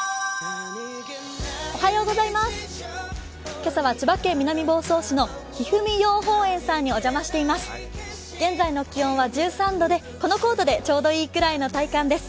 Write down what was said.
今朝は千葉県南房総市のひふみ養蜂園さんにお邪魔しています。